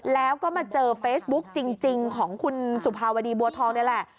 แล้วก็มาเจอเฟซบุ๊คจริงของคุณสุภาวดีบัวทองนี่แหละ